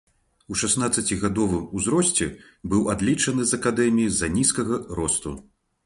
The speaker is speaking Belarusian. У шаснаццацігадовым узросце быў адлічаны з акадэміі з-за нізкага росту.